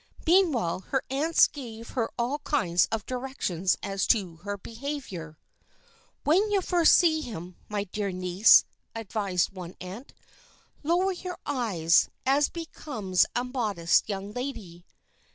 Meanwhile her aunts gave her all kinds of directions as to her behavior. "When you first see him, my dear niece," advised one aunt, "lower your eyes, as becomes a modest young lady."